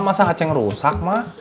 masa acing rusak mak